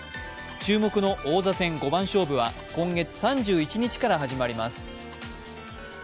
注目の王座戦五番勝負は今月３１日から始まります。